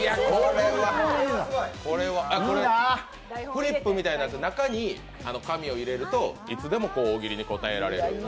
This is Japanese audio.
フリップみたいなやつ、中に紙を入れるといつでも大喜利に答えられる。